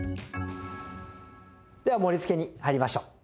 では盛り付けに入りましょう。